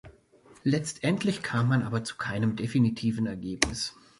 Letztendlich kam man aber zu keinem definitiven Ergebnis.